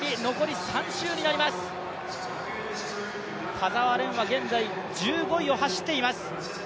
田澤廉は現在１５位を走っています。